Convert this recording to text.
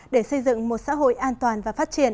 để xây dựng một xã hội an toàn và phát triển